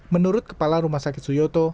menurut kepala rumah sakit suyoto